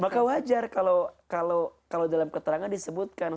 maka wajar kalau dalam keterangan disebutkan